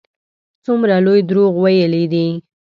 څومره لوی دروغ ویلي دي.